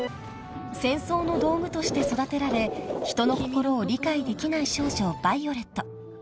［戦争の道具として育てられ人の心を理解できない少女ヴァイオレット］